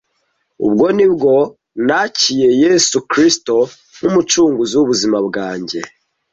Ubwo ni bwo nakiye Yesu christo nk’umucunguzi w’ubuzima bwanjye